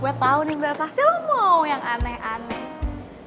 gue tau nih mbak pasti lo mau yang aneh aneh